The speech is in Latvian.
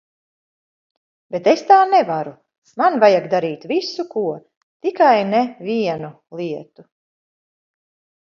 Bet es tā nevaru, man vajag darīt visu ko, tikai ne vienu lietu.